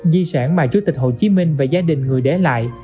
di sản mà chủ tịch hồ chí minh và gia đình người để lại